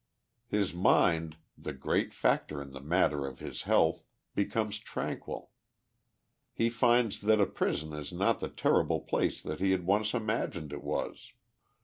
Ilis mind, the great factor in the matter of his health, becomes tranquil. — He finds that a prison is not the terrible place that he had once imagined it was.